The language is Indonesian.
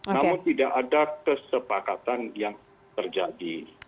namun tidak ada kesepakatan yang terjadi